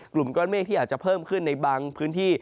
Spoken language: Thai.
กลุ่มก้อนเมฆที่อาจจะเพิ่มขึ้นในบางพื้นที่